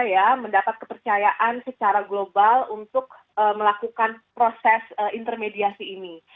ya mendapat kepercayaan secara global untuk melakukan proses intermediasi ini